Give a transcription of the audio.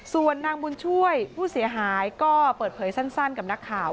ส่วนนางบุญช่วยผู้เสียหายก็เปิดเผยสั้นกับนักข่าว